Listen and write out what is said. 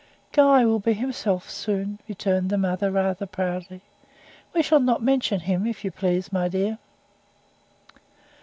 "Guy will be himself soon," returned the mother, rather proudly. "We will not mention him, if you please, my dear."